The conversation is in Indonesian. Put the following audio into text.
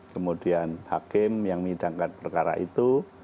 kemudian hakim yang menyidangkan perkara itu